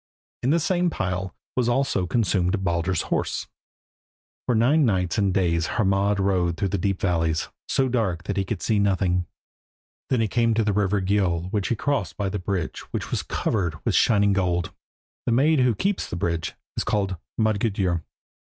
In the same pile was also consumed Baldur's horse. For nine nights and days Hermod rode through deep valleys, so dark that he could see nothing. Then he came to the river Gjöll which he crossed by the bridge which is covered with shining gold. The maid who keeps the bridge is called Modgudur.